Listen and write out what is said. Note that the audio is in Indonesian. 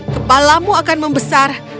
kepalamu akan membesar